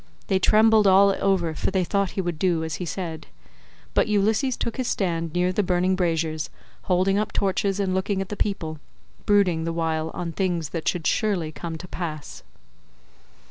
They trembled all over, for they thought he would do as he said. But Ulysses took his stand near the burning braziers, holding up torches and looking at the people—brooding the while on things that should surely come to pass.